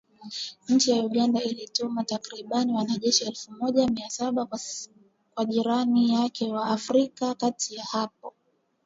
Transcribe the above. Nchi ya Uganda ilituma takribani wanajeshi elfu moja mia saba kwa jirani yake wa Afrika ya kati hapo